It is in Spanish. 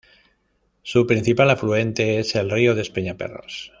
Su principal afluente es el río Despeñaperros.